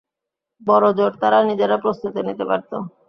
বড় জোড় তারা নিজেরা প্রস্তুতি নিতে পারত।